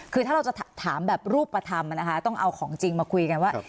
คือถ้าเราจะถามแบบรูปธรรมนะคะต้องเอาของจริงมาคุยกันว่า